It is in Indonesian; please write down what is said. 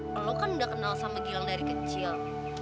lo kan udah kenal sama gilang dari kecil